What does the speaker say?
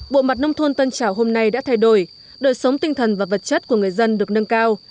bộ mặt nông thôn tân trào hôm nay đã thay đổi đời sống tinh thần và vật chất của người dân được nâng cao